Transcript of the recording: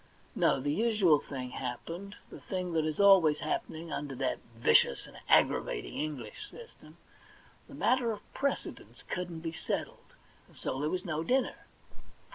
No ; the usual thing hap pened, the thing that is always happening under that vicious and aggravating English system — the matter of precedence couldn't be settled, and so there was no dinner.